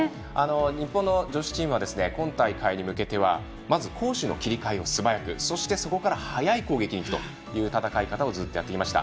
日本の女子チームは今大会に向けてはまず攻守の切り替えを素早く、そしてそこから速い攻撃にいくという戦い方をずっとやってきました。